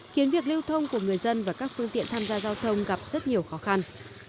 khiến việc lưu thông của người dân và các phương tiện tham gia giao thông gặp rất nhiều khó khăn